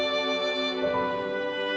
pesek air papi